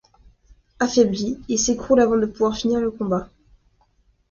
Affaibli, il s'écroule avant de pouvoir finir le combat.